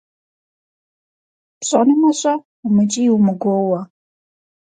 ПщӀэнумэ, щӀэ, умыкӀий-умыгуоуэ!